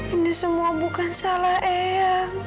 ini semua bukan salah ea